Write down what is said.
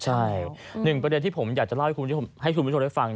ใช่หนึ่งประเด็นที่ผมอยากจะเล่าให้คุณผู้ชมได้ฟัง